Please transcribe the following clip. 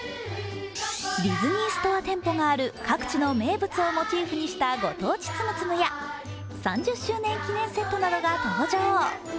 ディズニーストア店舗がある各地の名物をモチーフにしたご当地ツムツムや３０周年記念セットなどが登場。